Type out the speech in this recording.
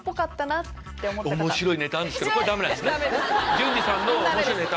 純次さんの面白いネタ。